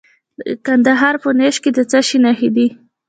د کندهار په نیش کې د څه شي نښې دي؟